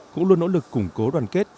cũng luôn nỗ lực củng cố đoàn kết